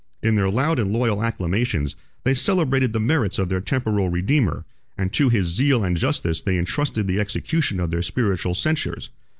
In their loud and loyal acclamations, they celebrated the merits of their temporal redeemer; and to his zeal and justice they intrusted the execution of their spiritual censures.